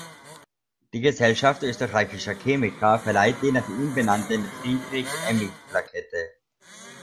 Die Gesellschaft Österreichischer Chemiker verleiht den nach ihm benannten Friedrich-Emich-Plakette.